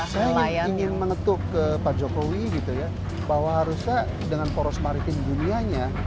saya ingin mengetuk ke pak jokowi gitu ya bahwa harusnya dengan poros maritim dunianya